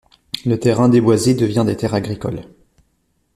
Le terrain déboisé devient des terres agricoles.